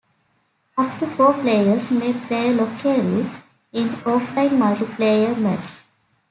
Up to four players may play locally in offline multiplayer matches.